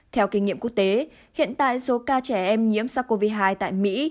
theo kinh nghiệm quốc tế hiện tại số ca trẻ em nhiễm sars cov hai tại mỹ